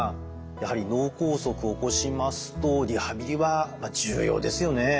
やはり脳梗塞を起こしますとリハビリは重要ですよね。